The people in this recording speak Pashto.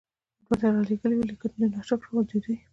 ورته را ليږلي وو، ليکن دوی ناشکره وو، د دوی